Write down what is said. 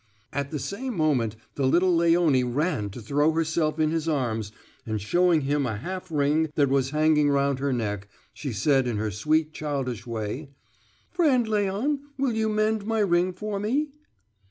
At the same moment the little Léonie ran to throw herself in his arms, and showing him a half ring that was hanging round her neck, she said in her sweet, childish way: "Friend Léon, will you mend my ring for me?"